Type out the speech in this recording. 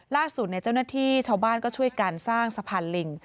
ล่าสุดเจ้าหน้าที่ชาวบ้านก็ช่วยกันสร้างสะพานลิง